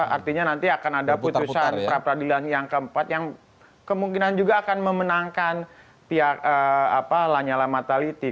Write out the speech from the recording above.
artinya nanti akan ada putusan pra peradilan yang keempat yang kemungkinan juga akan memenangkan pihak lanyala mataliti